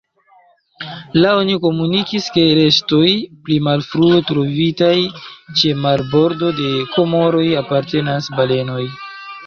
La oni komunikis ke restoj, pli malfrue trovitaj ĉe marbordo de Komoroj, apartenas balenoj.